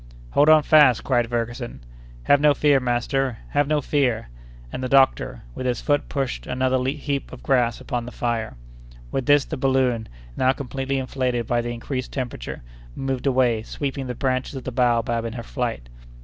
"Hold on fast!" cried Ferguson. "Have no fear, master—have no fear!" And the doctor, with his foot pushed another heap of grass upon the fire. With this the balloon, now completely inflated by the increased temperature, moved away, sweeping the branches of the baobab in her flight.